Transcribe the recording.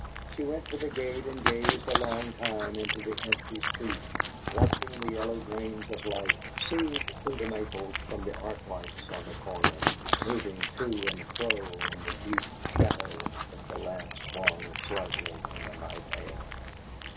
She went to the gate and gazed a long time into the empty street, watching the yellow grains of light, sieved through the maples from the arc lights on the corner, moving to and fro in the deep shadow as the lamp swung slightly in the night air.